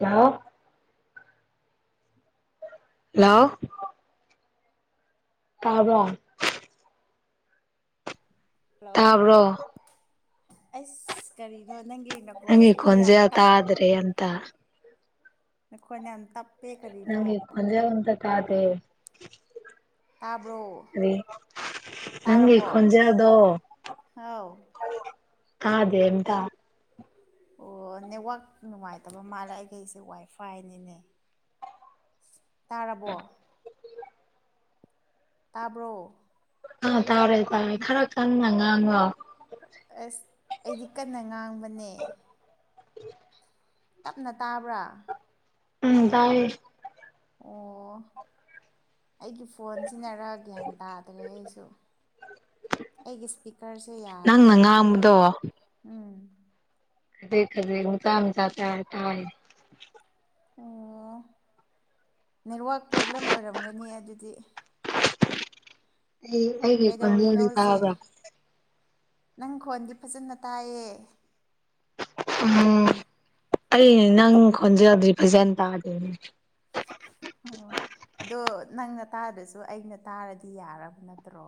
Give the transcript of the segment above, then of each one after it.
ꯂꯣ hello ꯇꯥꯕ꯭ꯔꯣ hello ꯇꯥꯕ꯭ꯔꯣ ꯑꯩꯁ ꯀꯔꯤꯅꯣ ꯅꯪꯒꯤꯅ ꯅꯪꯒꯤ ꯈꯣꯟꯖꯦꯜ ꯇꯥ꯭ꯔꯦ ꯑꯝꯇ ꯅꯈꯣꯟ ꯌꯥꯝ ꯇꯞ ꯅꯪꯒꯤ ꯈꯨꯟꯖꯦꯜ ꯑꯝꯇ ꯇꯥꯗꯦ ꯇꯥꯕ꯭ꯔꯣ ꯀꯔꯤ ꯅꯪꯒꯤ ꯇꯥꯔꯕꯣ ꯈꯣꯟꯖꯦꯜꯗꯣ ꯍꯥꯎ ꯇꯥꯗꯦ ꯑꯝꯇ ꯑꯣ ꯅꯦꯠꯋꯥꯛ ꯅꯨꯡꯉꯥꯏꯇꯕ ꯃꯥꯜꯂꯦ ꯑꯩꯈꯩꯁꯦ ꯋꯥꯏꯐꯥꯏꯅꯤꯅꯦ ꯇꯥꯔꯕꯣ ꯇꯥꯕ꯭ꯔꯣ ꯑꯥ ꯇꯥꯔꯦ ꯇꯥꯔꯦ ꯈꯔ ꯀꯟꯅ ꯉꯥꯡꯉꯣ ꯑꯁ ꯑꯩꯗꯤ ꯀꯟꯅ ꯉꯥꯡꯕꯅꯦ ꯇꯞꯅ ꯇꯥꯕ꯭ꯔꯥ ꯎꯝ ꯇꯥꯏꯌꯦ ꯑꯣ ꯑꯩꯒꯤ ꯐꯣꯟ ꯁꯤꯟꯅꯔ ꯒ꯭ꯌꯥꯟ ꯇꯥꯗ꯭ꯔꯦ ꯑꯩꯁꯨ ꯑꯩꯒꯤ ꯏꯁꯄꯤꯀꯔꯁꯦ ꯌꯥꯗꯕ ꯅꯪꯅ ꯃꯥꯜꯂꯦ ꯉꯥꯡꯕꯗꯣ ꯎꯝ [unintelligible] ꯑꯣ [unintelligible] ꯅꯦꯠꯋꯥꯛ ꯄ꯭ꯔꯣꯕꯂꯦꯝ ꯑꯣꯏꯔꯝꯒꯅꯤ ꯑꯗꯨꯗꯤ ꯑꯦ ꯑꯩꯒꯤ ꯀꯩꯗꯧꯔꯤꯅꯣ ꯈꯣꯟꯖꯦꯜꯗꯤ ꯍꯧꯖꯤꯛ ꯇꯥꯕ꯭ꯔꯥ ꯅꯪ ꯈꯣꯟꯗꯤ ꯐꯖꯅ ꯇꯥꯏꯌꯦ ꯎꯝ ꯑꯩ ꯅꯪ ꯈꯣꯟꯖꯦꯜꯗꯤ ꯐꯖꯅ ꯇꯥꯗꯦꯅꯦ ꯑꯣ ꯑꯗꯣ ꯅꯪꯅ ꯇꯥꯗ꯭ꯔꯁꯨ ꯑꯩꯅ ꯇꯥꯔꯗꯤ ꯌꯥꯔꯕ ꯅꯠꯇ꯭ꯔꯣ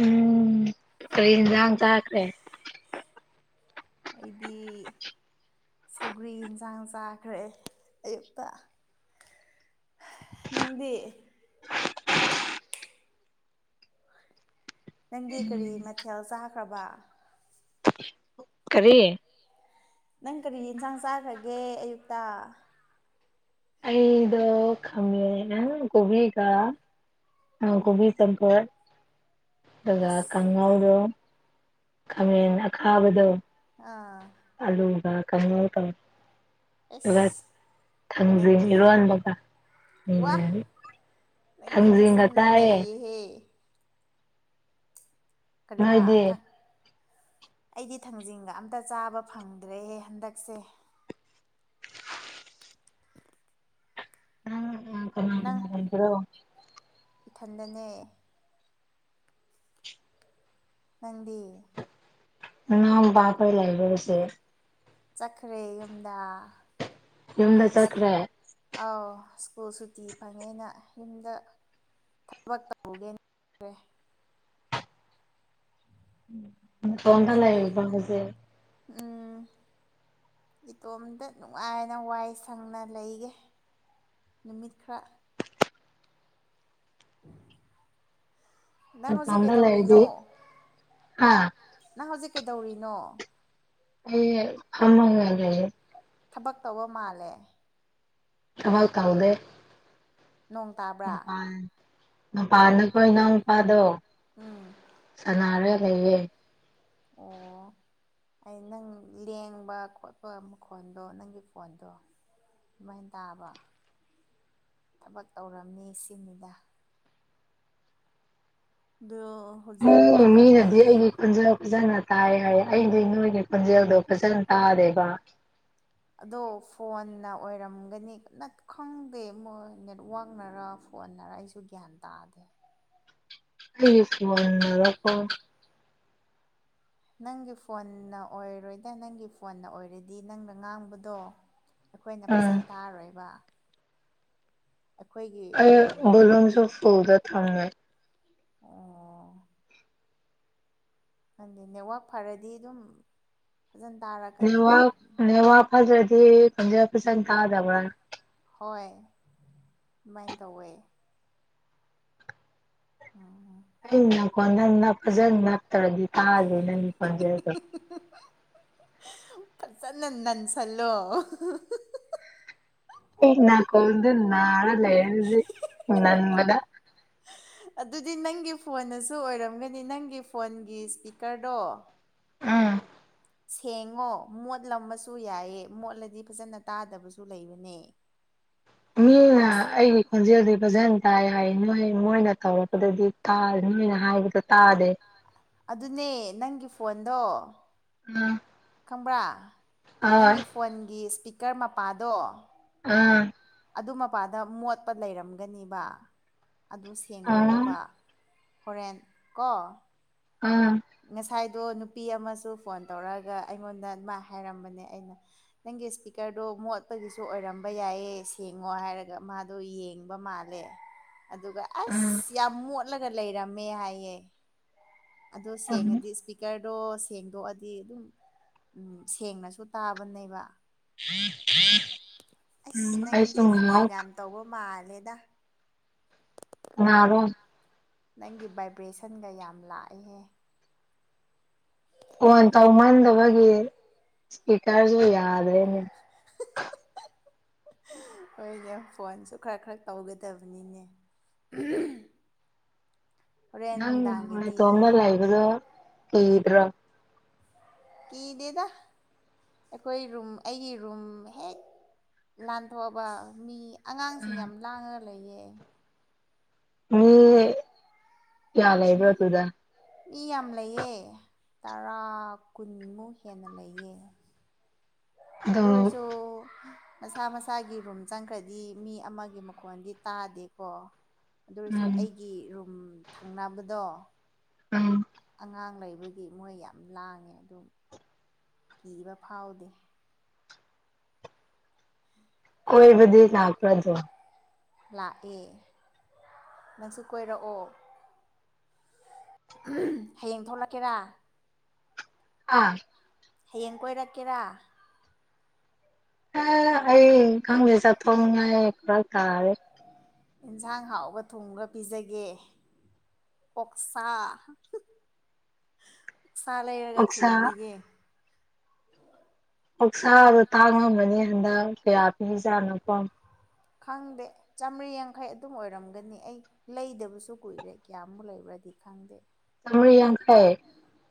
ꯎꯝ ꯀꯔꯤ ꯏꯟꯖꯥꯡ ꯆꯥꯈ꯭ꯔꯦ ꯑꯩꯗꯤ ꯁꯧꯒ꯭ꯔꯤ ꯏꯟꯖꯥꯡ ꯆꯥꯈ꯭ꯔꯦ ꯑꯌꯨꯛꯇ ꯅꯪꯗꯤ ꯅꯪꯗꯤ ꯀꯔꯤ ꯃꯊꯦꯜ ꯆꯥꯈ꯭ꯔꯕ ꯀꯔꯤ ꯅꯪ ꯀꯔꯤ ꯏꯟꯁꯥꯡ ꯆꯥꯈ꯭ꯔꯒꯦ ꯑꯌꯨꯛꯇ ꯑꯩꯗꯣ ꯈꯃꯦ ꯑ ꯀꯣꯕꯤꯒ ꯑ ꯎꯝ ꯀꯣꯕꯤ ꯆꯝꯊꯣꯡ ꯑꯗꯨꯒ ꯑꯁ ꯀꯥꯡꯉꯧꯗꯣ ꯈꯥꯃꯦꯟ ꯑꯈꯥꯕꯗꯣ ꯑꯥ ꯑꯂꯨꯒ ꯀꯥꯡꯉꯧ ꯇꯧꯌꯦ ꯑꯗꯨꯒ ꯑꯁ ꯊꯪꯖꯤꯡ ꯅꯪꯗꯤ ꯏꯔꯣꯟꯕꯒ ꯋꯥ [unintelligible] ꯅꯪꯗꯤ ꯊꯥꯡꯖꯤꯡꯒ ꯐꯖꯅ ꯆꯥꯏꯌꯦ ꯅꯩꯌꯦꯍꯦ ꯀꯔꯤꯕ ꯅꯣꯏꯗꯤ ꯊꯛ ꯑꯩꯗꯤ ꯊꯥꯡꯖꯤꯡꯒ ꯑꯝꯇ ꯆꯥꯕ ꯐꯪꯗꯔꯦꯍꯦ ꯍꯟꯗꯛꯁꯦ [unintelligible] ꯅꯪ__ [unintelligible] ꯏꯊꯟꯗꯅꯦ꯫ ꯅꯪꯗꯤ꯫ ꯑꯉꯥꯎꯕꯥꯄꯩ ꯂꯩꯔꯨꯔꯁꯦ꯫ ꯆꯠꯈ꯭ꯔꯦ ꯌꯨꯝꯗ ꯌꯨꯝꯗ ꯃꯣꯏꯁ꯫ ꯆꯠꯈ꯭ꯔꯦ ꯑꯥꯎ ꯁ꯭ꯀꯨꯜ ꯁꯨꯇꯤ ꯐꯪꯉꯦꯅ ꯌꯨꯝꯗ ꯊꯕꯛ ꯇꯧꯒꯦ꯭ꯟ ꯔꯦ__ ꯅꯇꯣꯝꯗ ꯅꯪ ꯂꯩꯕ ꯍꯧꯖꯤꯛ꯫ ꯎꯝ꯫ ꯏꯇꯣꯝꯗ ꯅꯨꯡꯉꯥꯏꯅ ꯋꯥꯏ ꯁꯪꯅ ꯂꯩꯒ‌ꯦ꯫ ꯅꯨꯃꯤꯠ ꯈꯔ꯫ ꯅꯪ ꯍꯧꯖꯤꯛ ꯅꯇꯣꯝꯇ ꯂꯩꯔꯗꯤ ꯀꯩꯗꯧꯔꯤꯅꯣ꯫ ꯍꯥ ꯅꯪ ꯍꯧꯖꯤꯛ ꯀꯩꯗꯧꯔꯤꯅꯣ꯫ ꯑꯩ ꯐꯝꯃꯒ ꯂꯩꯌꯦ꯫ ꯊꯕꯛ ꯇꯧꯕ ꯃꯥꯜꯂꯦ꯫ ꯊꯕꯛ ꯇꯧꯗꯦ꯫ ꯅꯣꯡ ꯇꯥꯕ꯭ꯔꯥ꯫ ꯃꯄꯥꯥꯟꯗ ꯑꯩꯈꯣꯏ ꯏꯅꯥꯎ ꯅꯨꯄꯥꯗꯣ ꯎꯝ ꯁꯅꯔ ꯂꯩꯌꯦ꯫ ꯑꯣ [inaudible] ꯑꯩ ꯅꯪ ꯂꯦꯡꯕ ꯈꯣꯠꯄ ꯃꯈꯣꯟꯗꯣ ꯅꯪꯒꯤ ꯐꯣꯟꯗꯣ ꯗꯨꯃꯥꯏꯟ ꯇꯥꯕ ꯊꯕꯛ ꯇꯧꯔꯝꯅꯤ ꯁꯤꯅꯤꯗ꯫ ꯗꯣ__ ꯃꯤꯅꯥ ꯃꯤꯅꯗꯤ ꯑꯩꯒꯤ ꯈꯣꯟꯖꯦꯜ ꯐꯖꯅ__ ꯇꯥꯏ ꯍꯥꯏꯌꯦ ꯑꯩꯗꯤ ꯅꯣꯏꯒꯤ ꯈ‌ꯣꯜꯟꯖꯦꯜꯗꯣ ꯐꯖꯅ ꯇꯥꯗꯦꯕ꯫ ꯑꯗꯣ ꯐꯣꯟꯅ ꯑꯣꯏꯔꯝꯒꯅꯤ ꯅꯠ ꯈꯪꯗꯦ ꯃꯣꯏ ꯅꯦꯠꯋꯥꯛꯅꯔ ꯐꯣꯟꯅꯔ ꯑꯩꯁ꯫ ꯗꯨ ꯒ꯭ꯌꯥꯟ ꯇꯥꯗꯦ꯫ ꯑꯩ ꯐꯣꯟꯅꯔ‌ꯣ ꯀꯣ꯫ ꯅꯪꯒꯤ ꯐꯣꯟꯅ ꯑꯣꯏꯔꯣꯏꯗ ꯅꯪꯒꯤ ꯐꯣꯟꯅ ꯑꯣꯏꯔꯗꯤ ꯅꯪꯅ ꯉꯥꯡꯕꯗꯣ ꯑꯩꯈꯣꯏꯅ ꯎꯝ ꯐꯖꯟ ꯇꯥꯔꯣꯏꯕ꯫ ꯑꯩꯈꯣꯏꯒꯤ ꯑꯩ ꯑꯣꯏꯔꯝꯒꯅꯤ ꯕ‌ꯣꯂꯨꯝꯁꯨ ꯐꯨꯜꯗ ꯊꯝꯃꯦ꯫ ꯑꯣ꯫ ꯅꯪꯗꯤ ꯅꯦꯠꯋꯥꯛ ꯐꯔꯗꯤ ꯑꯗꯨꯝ ꯐꯖꯅ ꯇꯥꯔꯛꯀꯅꯤꯗ꯫ ꯑꯗꯗꯤ ꯈ‌ꯣꯟꯖ‌ꯦꯜ ꯐꯖꯟ ꯇꯥꯗꯕꯔ‌ꯥ ꯍꯣꯏ ꯗꯨꯃꯥꯏꯟ ꯇꯧꯋꯦ ꯑꯝ ꯑꯩ ꯅ ꯀꯣꯟꯗ ꯅꯞ ꯐꯖꯟ ꯅꯞꯇ꯭ꯔꯗꯤ ꯇꯥꯗꯦ ꯅꯪꯒꯤ ꯈꯣꯟꯖ‌ꯦꯜꯗꯣ [unintelligible] ꯐꯖꯅ ꯅꯟ ꯁꯜꯂꯣ ꯑ‌ꯦ ꯅꯥꯀ‌ꯣꯡꯗ‌ꯣ ꯅꯔꯥ ꯂꯩꯔꯅꯤ ꯑꯗꯨꯗꯤ ꯅꯟꯕꯗꯥ ꯑꯗꯨꯗꯤ ꯅꯪꯒꯤ ꯐꯣꯟꯅꯁꯨ ꯑꯣꯏꯔꯝꯒꯅꯤ ꯅꯪꯒꯤ ꯐꯣꯟꯒꯤ ꯏꯁꯄꯤꯀꯔꯗꯣ ꯎꯝ ꯁꯦꯡꯉꯣ ꯃꯣꯠꯂꯝꯃꯁꯨ ꯌꯥꯏꯌ‌ꯦ ꯃꯣꯠꯂꯗꯤ ꯐꯖꯅ ꯇꯥꯗꯕꯁꯨ ꯂꯩꯕꯅꯦ ꯃꯤꯅ ꯑꯁ ꯑꯩꯒꯤ ꯈꯣꯟꯖꯦꯜꯗꯤ ꯐꯖꯟ ꯇꯥꯏ ꯍꯥꯏꯌ‌ꯦ ꯅꯣꯏ ꯃꯣꯏꯅ ꯇꯧꯔꯛꯄꯗꯗꯤ ꯇꯥꯏ ꯅꯣꯏꯅ ꯍꯥꯏꯕꯗ ꯇꯥꯗꯦ ꯑꯗꯨꯅꯦ ꯅꯪꯒꯤ ꯐꯣꯟꯗꯣ ꯎꯝ ꯈꯪꯕ꯭ꯔꯥ ꯅꯪꯒꯤ ꯐꯣꯟꯒꯤ ꯏꯁꯄꯤꯀꯔ ꯃꯄꯥꯗꯣ ꯎꯝ ꯑꯗꯨ ꯃꯄꯥꯗ ꯃꯣꯠꯄ ꯂꯩꯔꯝꯒꯅꯤꯕ ꯑꯗꯨ ꯑꯥ ꯁꯦꯡꯗꯣꯛꯑꯣꯕ ꯍꯣꯔꯦꯟ ꯀꯣ ꯎꯝ ꯉꯁꯥꯏꯗꯣ ꯅꯨꯄꯤ ꯑꯃꯁꯨ ꯐꯣꯟ ꯇꯧꯔꯛꯑꯒ ꯑꯩꯉꯣꯟꯗ ꯃꯥ ꯍꯥꯏꯔꯝꯕꯅꯦ ꯑꯩꯅ ꯅꯪꯒꯤ ꯏꯁꯄꯤꯀꯔꯗꯣ ꯃꯣꯠꯄꯒꯤꯁꯨ ꯑꯣꯏꯔꯝꯕ ꯌꯥꯏꯌꯦ ꯁꯦꯡꯉꯣ ꯍꯥꯏꯔꯒ ꯃꯥ ꯑꯗꯣ ꯌꯦꯡꯕ ꯃꯥꯜꯂꯦ ꯑꯗꯨꯒ ꯑꯥ ꯑꯁ ꯌꯥꯝ ꯃꯣꯠꯂꯒ ꯂꯩꯔꯝꯃꯦ ꯍꯥꯏꯌꯦ ꯑꯗꯣ ꯎꯝ ꯁꯦꯡꯉꯗꯤ ꯁꯄ꯭ꯤꯛ ꯀꯔꯗꯣ ꯁꯦꯡꯗꯣꯛꯑꯗꯤ ꯑꯗꯨꯝ ꯎꯝ ꯁꯦꯡꯅꯁꯨ ꯇꯥꯕꯅꯦꯕ ꯑꯁ ꯎꯝ ꯑꯩꯁꯨ ꯅꯪꯖꯦ ꯐꯣꯟ ꯉꯥꯏꯍꯥꯛ ꯌꯥꯝ ꯇꯧꯕ ꯃꯥꯜꯂꯦꯗ ꯅꯥꯔꯣ ꯅꯪꯒꯤ ꯚꯥꯏꯕ꯭ꯔꯦꯁꯟꯒ ꯌꯥꯝ ꯂꯥꯛꯑꯦꯍꯦ ꯐꯣꯟ ꯇꯧꯃꯟꯗꯕꯒꯤ ꯁꯄ꯭ꯤꯀꯔꯖꯦ ꯌꯥꯗ꯭ꯔꯦꯅꯦ ꯍꯣꯏꯅꯦ ꯐꯣꯟꯁꯨ ꯈꯔ ꯈꯔ ꯇꯧꯒꯗꯕꯅꯤꯅꯦ ꯍꯣꯔꯦꯟ ꯅꯨꯡꯗꯥꯡꯒꯤꯗꯤ ꯍꯜꯂꯣ ꯀꯤꯗ꯭ꯔꯥ ꯀꯤꯗꯦꯗ ꯑꯩꯈꯣꯏ ꯔꯨꯝ ꯑꯩꯒꯤ ꯔꯨꯝ ꯍꯦꯛ ꯂꯥꯟꯊꯣꯛꯑꯕ ꯃꯤ ꯑꯉꯥꯡꯁꯤꯡ ꯌꯥꯝ ꯂꯥꯡꯉꯒ ꯂꯩꯌꯦ ꯃꯤ ꯀꯌꯥ ꯂꯩꯕ꯭ꯔ ꯃꯤ ꯗꯨꯗ ꯃꯤ ꯌꯥꯝ ꯂꯩꯌꯦ ꯇꯔꯥ ꯀꯨꯟꯃꯨꯛ ꯍꯦꯟꯅ ꯂꯩꯌꯦ ꯑꯗꯨ ꯑꯗꯨꯝ ꯑꯣꯏꯔꯁꯨ ꯃꯁꯥ ꯃꯁꯥꯒꯤ ꯔꯨꯝ ꯆꯪꯈ꯭ꯔꯗꯤ ꯃꯤ ꯑꯃꯒꯤ ꯃꯈꯣꯟꯗꯤ ꯇꯥꯗꯦꯀꯣ ꯑꯗꯨ ꯑꯣꯏꯔꯁꯨ ꯎꯝ ꯑꯩꯒꯤ ꯔꯨꯝ ꯊꯪꯅꯕꯗꯣ ꯎꯝ ꯑꯉꯥꯡ ꯂꯩꯕꯒꯤ ꯃꯣꯏ ꯌꯥꯝ ꯂꯥꯡꯉꯦ ꯑꯗꯨꯝ ꯀꯤꯕ ꯐꯥꯎꯗꯦ ꯀꯣꯏꯕꯗꯤ ꯂꯥꯛꯄꯔ꯭ ꯑꯗꯣ ꯂꯥꯛꯑꯦ ꯅꯪꯁꯨ ꯀꯣꯏꯔꯛꯑꯣ ꯍꯌꯦꯡ ꯊꯣꯛꯂꯛꯀꯦꯔꯥ ꯑꯥ ꯍꯌꯦꯡ ꯀꯣꯏꯔꯛꯀꯦꯔꯥ ꯑꯥ ꯑꯩ ꯈꯪꯗꯦ ꯆꯠꯊꯣꯛꯅꯤꯉꯥꯏ ꯐꯔꯛ ꯇꯥꯔꯦ ꯏꯟꯁꯥꯡ ꯍꯥꯎꯕ ꯊꯨꯡꯔꯒ ꯄꯤꯖꯒꯦ ꯑꯣꯛꯁꯥ ꯑꯣꯛꯁꯥ ꯂꯩꯔꯒ ꯑꯣꯛꯁꯥ ꯊꯣꯡꯕꯤꯒꯦ ꯑꯣꯛꯁꯥꯗꯣ ꯇꯥꯡꯉꯝꯒꯅꯤ ꯍꯟꯗꯛ ꯀꯌꯥ ꯄꯤꯔꯤꯖꯥꯠꯅꯣꯀꯣ ꯈꯪꯗꯦ ꯆꯥꯃꯔꯤ ꯌꯥꯡꯈꯩ ꯑꯗꯨꯝ ꯑꯣꯏꯔꯝꯒꯅꯤ ꯑꯩ ꯂꯩꯗꯕꯁꯨ ꯀꯨꯏꯔꯦ ꯀꯌꯥꯃꯨꯛ ꯂꯩꯕ꯭ꯔꯗꯤ ꯈꯪꯗꯦ ꯆꯥꯝꯃꯔꯤ ꯌꯥꯡꯈꯩ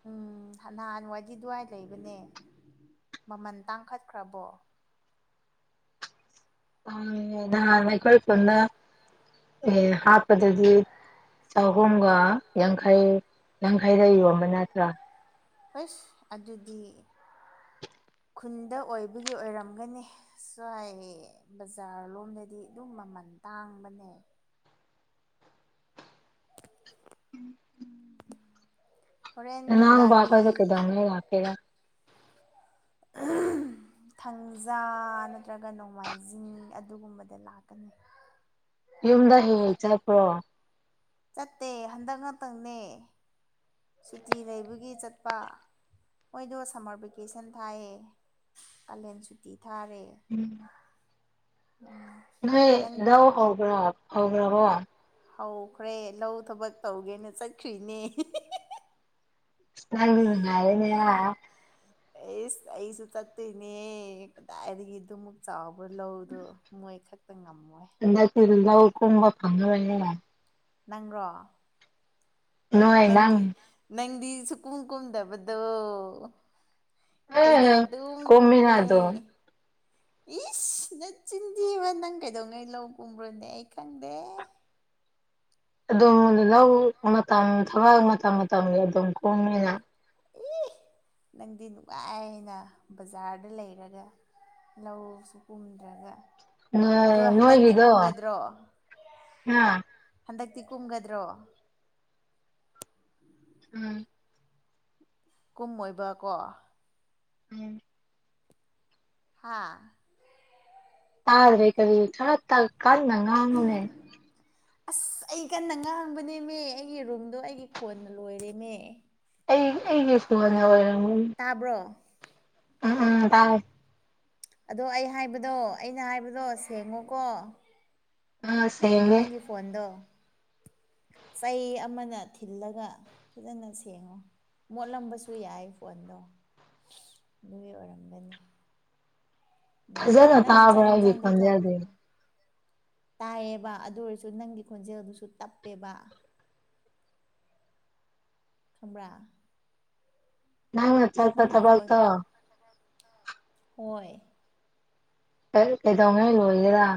ꯎꯝ ꯍꯅꯍꯥꯟꯋꯥꯏꯗꯤ ꯗꯨꯋꯥꯏ ꯂꯩꯕꯅꯦ ꯃꯃꯟ ꯇꯥꯡꯈꯠꯈ꯭ꯔꯕꯣ ꯎꯝ ꯅꯍꯥꯟ ꯑꯩꯈꯣꯏ ꯈꯨꯟꯗ ꯑꯦ ꯍꯥꯠꯄꯗꯗꯤ ꯆꯍꯨꯝꯒ ꯌꯥꯡꯈꯩ ꯌꯥꯡꯈꯩꯗ ꯌꯣꯟꯕ ꯅꯠꯇ꯭ꯔꯥ ꯍꯩꯁ ꯑꯗꯨꯗꯤ ꯈꯨꯟꯗ ꯑꯣꯏꯕꯒꯤ ꯑꯣꯏꯔꯝꯒꯅꯤ ꯁ꯭ꯋꯥꯏꯒꯤ ꯕꯖꯥꯔ ꯔꯣꯝꯗꯗꯤ ꯑꯗꯨꯝ ꯃꯃꯟ ꯇꯥꯡꯕꯅꯦ ꯍꯣꯔꯦꯟ ꯅꯨꯡꯗꯥꯡꯗꯤ [unintelligible] ꯀꯩꯗꯧꯉꯩ ꯂꯥꯛꯀꯦꯔ ꯊꯥꯡꯖꯥ ꯅꯠꯇ꯭ꯔꯒ ꯅꯣꯡꯃꯥꯏꯖꯤꯡ ꯑꯗꯨꯒꯨꯝꯕꯗ ꯂꯥꯛꯀꯅꯤ ꯌꯨꯝꯗ ꯍꯦꯛ ꯍꯦꯛ ꯆꯠꯄ꯭ꯔꯣ ꯆꯠꯇꯦ ꯍꯟꯗꯛ ꯉꯥꯛꯇꯪꯅꯦ ꯁꯨꯇꯤ ꯂꯩꯕꯒꯤ ꯆꯠꯄ ꯃꯣꯏꯗꯣ ꯁꯥꯃꯔ ꯚꯦꯀꯦꯁꯟ ꯊꯥꯏꯌꯦ ꯀꯥꯂꯦꯟ ꯁꯨꯇꯤ ꯊꯥꯔꯦ [unintelligible] [unintelligible] ꯅꯣꯏ ꯅꯪ ꯂꯧ ꯍꯧꯕ꯭ꯔꯣ ꯍꯧꯒ꯭ꯔꯕꯣ ꯍꯧꯈ꯭ꯔꯦ ꯂꯧ ꯊꯕꯛ ꯇꯧꯒꯦꯅ ꯆꯠꯈ꯭ꯔꯤꯅꯦ ꯅꯪ ꯅꯨꯡꯉꯥꯏꯔꯦꯅꯦ ꯍꯥ ꯑꯦꯁ ꯑꯩꯁꯨ ꯆꯠꯇꯨꯏꯅꯦ ꯀꯗꯥꯏꯗꯒꯤ ꯗꯨꯃꯨꯛ ꯆꯥꯎꯕ ꯂꯧꯗꯣ ꯃꯣꯏ ꯈꯛꯇ ꯉꯝꯃꯣꯏ ꯅꯠꯇꯦꯗ ꯂꯧ ꯀꯨꯝꯕ ꯐꯪꯉꯔꯣꯏꯅꯦꯍꯦ ꯅꯪꯔꯣ ꯅꯣꯏ ꯅꯪ ꯅꯪꯗꯤ ꯅꯪꯗꯤ ꯁꯨ ꯀꯨꯝ ꯀꯨꯝꯗꯕꯗꯣ ꯈꯣꯏꯗꯤ ꯑꯦ ꯑꯗꯨꯝ ꯀꯨꯝꯃꯦ ꯀꯣꯝꯃꯤꯅ ꯑꯗꯨꯝ ꯏꯁ ꯅꯆꯤꯟ ꯊꯤꯕ ꯅꯪ ꯀꯩꯗꯧꯉꯩ ꯂꯧ ꯀꯨꯝꯕ꯭ꯔꯣꯅꯦ ꯑꯩ ꯈꯪꯗꯦ ꯑꯗꯨꯝ ꯂꯧ ꯃꯇꯝ ꯊꯕꯛ ꯃꯇꯝ ꯃꯇꯝꯒꯤ ꯑꯗꯨꯝ ꯀꯨꯝꯃꯤꯅ ꯏ ꯅꯪꯗꯤ ꯅꯨꯡꯉꯥꯏꯅ ꯕꯖꯥꯔꯗ ꯂꯩꯔꯒ ꯂꯧꯁꯨ ꯀꯨꯝꯗ꯭ꯔꯒ ꯑꯗꯣ ꯍꯟꯗꯛꯇꯤ ꯅꯣꯏꯒꯤꯗꯣ ꯀꯨꯝꯒꯗ꯭ꯔꯣ ꯍꯥ ꯍꯟꯗꯛꯇꯤ ꯀꯨꯝꯒꯗ꯭ꯔꯣ ꯎꯝ ꯀꯨꯝꯃꯣꯏꯕ ꯀꯣ [unintelligible] ꯍꯥꯥ ꯇꯥꯗ꯭ꯔꯦ ꯀꯔꯤ ꯈꯔ ꯇ ꯀꯟꯅ ꯉꯥꯡꯉꯨꯅꯦ ꯑꯁ ꯑꯩ ꯀꯟꯅ ꯉꯥꯡꯕꯅꯦꯃꯦ ꯑꯩꯒꯤ ꯔꯨꯝꯗꯣ ꯑꯩꯒꯤ ꯈꯣꯟꯅ ꯂꯣꯏꯔꯦꯅꯦ ꯑꯩ ꯑꯩꯒꯤ ꯐꯣꯟꯅ ꯑꯣꯏꯔꯝꯒꯅꯤ ꯇꯥꯕ꯭ꯔꯣ ꯍꯥ ꯍꯥ ꯇꯥꯏ ꯑꯗꯣ ꯑꯩ ꯍꯥꯏꯕꯗꯣ ꯑꯩꯅ ꯍꯥꯏꯕꯗꯣ ꯁꯦꯡꯉꯣꯀꯣ ꯑꯥ ꯁꯦꯡꯉꯦ ꯅꯪꯒꯤ ꯐꯣꯟꯗꯣ ꯆꯩ ꯑꯃꯅ ꯊꯤꯜꯂꯒ ꯐꯖꯟꯅ ꯁꯦꯡꯉꯣ ꯃꯣꯠꯂꯝꯕꯁꯨ ꯌꯥꯏ ꯐꯣꯟꯗꯣ ꯗꯨꯒꯤ ꯑꯣꯏꯔꯝꯒꯅꯤ ꯎꯝ ꯐꯖꯅ ꯅꯪ ꯇꯥꯕ꯭ꫪꯥ ꯆꯥꯛ ꯑꯩꯒꯤ ꯌꯦꯟꯁꯥꯡꯗꯤ ꯊꯣꯡ ꯈꯣꯟꯖꯦꯜꯖꯦ ꯇꯥꯏꯌꯦꯕ ꯑꯗꯨ ꯑꯣꯏꯔꯁꯨ ꯅꯪꯒꯤ ꯈꯣꯟꯖꯦꯜꯗꯨꯁꯨ ꯇꯞꯄꯦꯕ ꯈꯪꯕ꯭ꯔꯥ ꯅꯪꯅ ꯆꯠꯄ ꯅꯪꯒꯤ ꯊꯕꯛꯇꯣ [unintelligible] ꯍꯣꯏ ꯑꯩ ꯀꯩꯗꯧꯉꯩ ꯂꯣꯏꯒꯦꯔ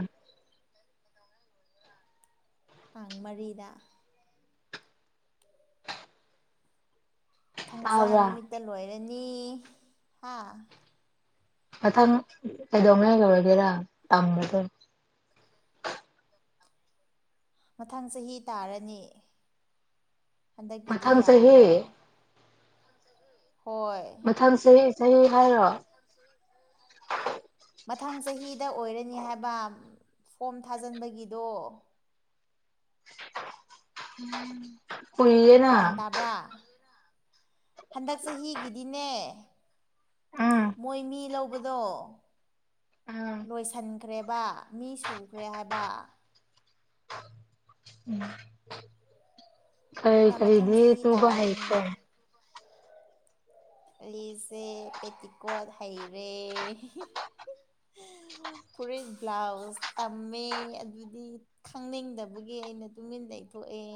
ꯇꯥꯡ ꯃꯔꯤꯗ ꯊꯥꯡꯖꯥ ꯇꯥꯕ꯭ꯔꯥ ꯅꯨꯃꯤꯠꯇ ꯂꯣꯏꯔꯅꯤ ꯍꯥ ꯃꯊꯪ ꯀꯩꯗꯧꯉꯩ ꯂꯣꯏꯔꯒꯦꯔꯥ ꯇꯝꯕꯗꯣ ꯃꯊꯪ ꯆꯍꯤ ꯇꯥꯔꯅꯤ ꯍꯟꯗꯛꯀꯤꯗꯤ ꯃꯊꯪ ꯆꯍꯤ ꯌꯥꯔꯔꯣꯏ ꯍꯣꯏ ꯃꯊꯪ ꯆꯍꯤ ꯆꯍꯤ ꯍꯥꯏꯔꯣ [inaudible] ꯃꯊꯪ ꯆꯍꯤꯗ ꯑꯣꯏꯔꯅꯤ ꯍꯥꯏꯕ ꯐꯣꯝ ꯊꯥꯖꯤꯟꯕꯒꯤꯗꯣ [inaudible] ꯒ꯭ꯌꯥꯟ ꯀꯨꯏꯌꯦꯅ ꯇꯥꯕ꯭ꯔꯥ ꯍꯟꯗꯛ ꯆꯍꯤꯒꯤꯗꯤꯅꯦ ꯎꯝ ꯃꯣꯏ ꯃꯤ ꯂꯧꯕꯗꯣ ꯎꯝ ꯂꯣꯏꯁꯟꯈ꯭ꯔꯦꯕ ꯃꯤ ꯁꯨꯈ꯭ꯔꯦ ꯍꯥꯏꯕ [inaudible] ꯀꯩ ꯑꯗꯨꯅ ꯃꯊꯪ ꯀꯔꯤꯗꯤ ꯆꯍꯤ ꯇꯨꯕ ꯇꯥꯔꯅꯤ ꯍꯩꯈ꯭ꯔꯦ ꯑꯩꯖꯦ ꯄꯦꯇꯤꯀꯣꯠ ꯍꯩꯔꯦ [inaudible] ꯐꯨꯔꯤꯠ ꯕ꯭ꯂꯥꯎꯁ ꯇꯝꯃꯦ ꯑꯗꯨꯗꯤ ꯈꯪꯅꯤꯡꯗꯕꯒꯤ ꯑꯩꯅ ꯇꯨꯃꯤꯟ ꯂꯩꯊꯣꯛꯑꯦ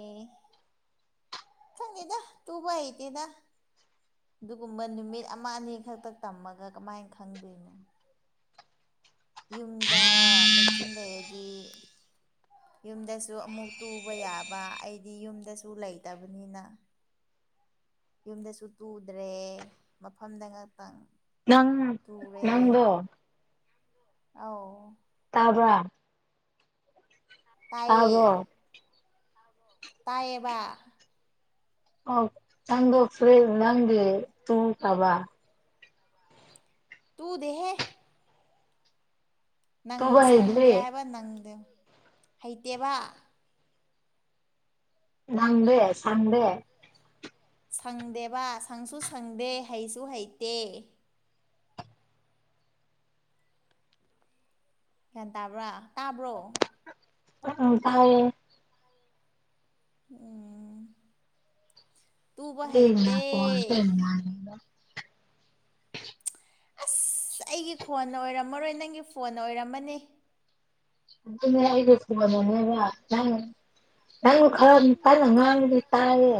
ꯈꯪꯗꯦꯗ ꯇꯨꯕ ꯍꯩꯇꯦꯗ ꯑꯗꯨꯒꯨꯝꯕ ꯅꯨꯃꯤꯠ ꯑꯃ ꯑꯅꯤ ꯈꯛꯇ ꯇꯝꯃꯒ ꯀꯃꯥꯏ ꯈꯪꯗꯣꯏꯅꯣ ꯌꯨꯝꯗ ꯃꯦꯆꯤꯟ ꯂꯩꯔꯗꯤ ꯌꯨꯝꯗꯁꯨ ꯑꯃꯨꯛ ꯇꯨꯕ ꯌꯥꯕ ꯑꯩꯗꯤ ꯌꯨꯝꯗꯁꯨ ꯂꯩꯇꯕꯅꯤꯅ ꯌꯨꯝꯗꯁꯨ ꯇꯨꯗ꯭ꯔꯦ ꯃꯐꯝꯗ ꯉꯥꯛꯇꯪ ꯅꯪ ꯅꯪꯗꯣ ꯑꯥꯎ ꯇꯥꯕ꯭ꯔ ꯇꯥꯏꯌꯦ ꯇꯥꯕ꯭ꯔꯣ ꯇꯥꯏꯌꯦꯕ ꯑꯧ ꯅꯪꯗꯣ ꯐꯨꯔꯤꯠ ꯅꯪꯒꯤ ꯇꯨꯈ꯭ꯔꯕ ꯇꯨꯗꯦꯍꯦ ꯅꯪ ꯇꯨꯕ ꯁꯪꯗꯦ ꯍꯩꯗ꯭ꯔꯤ ꯍꯥꯏꯕ ꯅꯪꯗꯦ ꯍꯩꯇꯦꯕ ꯅꯪꯗꯦ ꯁꯪꯗꯦ ꯁꯪꯗꯦꯕ ꯁꯪꯁꯨ ꯁꯪꯗꯦ ꯍꯩꯁꯨ ꯍꯩꯇꯦ ꯒ꯭ꯌꯥꯟ ꯇꯥꯕ꯭ꯔ ꯇꯥꯕ꯭ꯔꯣ [unintelligible] ꯇꯥꯏꯌꯦ ꯎꯝ ꯇꯨꯕ ꯑꯩꯅ ꯍꯩꯇꯦ ꯈꯣꯟꯁꯦ ꯉꯥꯡꯉꯤꯕ ꯑꯁ ꯑꯩꯒꯤ ꯈꯣꯟꯅ ꯑꯣꯏꯔꯝꯃꯔꯣꯏ ꯅꯪꯒꯤ ꯐꯣꯟꯅ ꯑꯣꯏꯔꯝꯃꯅꯤ ꯑꯗꯨꯅꯦ ꯑꯩꯒꯤ ꯐꯣꯟꯅꯅꯦꯕ [unintelligible] ꯅꯪ ꯈꯔ ꯀꯟꯅ ꯉꯥꯡꯉꯗꯤ ꯇꯥꯏꯌꯦ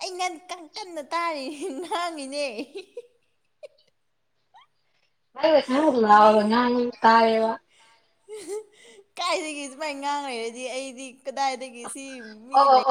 ꯑꯩ ꯉꯟ ꯀꯟ ꯀꯟꯅ ꯇꯥꯔꯤ ꯉꯥꯡꯉꯤꯅꯦ ꯅꯪꯅ ꯈꯔꯥ ꯂꯥꯎꯅ ꯃꯤ ꯉꯥꯡꯉꯗꯤ ꯇꯥꯥꯏꯌꯦꯕ ꯀꯥꯏꯗꯒꯤ ꯁꯨꯃꯥꯏꯅ ꯉꯥꯡꯂꯩꯔꯗꯤ ꯑꯩꯗꯤ ꯀꯗꯥꯏꯗꯒꯤ ꯁꯤ ꯃꯤ ꯑꯣ ꯑꯣ ꯂꯩ